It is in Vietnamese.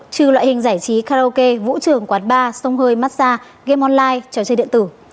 trừ loại hình giải trí karaoke vũ trường quán bar sông hơi massage game online trò chơi điện tử